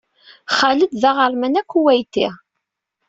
Xaled d aɣerman akuweyti.